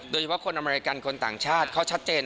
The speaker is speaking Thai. โดยเฉพาะคนอเมริกันคนต่างชาติเขาชัดเจน